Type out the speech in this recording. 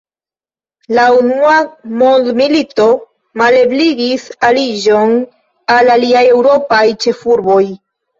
La unua mondmilito malebligis aliĝon al aliaj eŭropaj ĉefurboj.